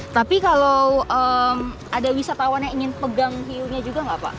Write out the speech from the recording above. tapi kalau ada wisatawan yang ingin pegang hiunya juga nggak pak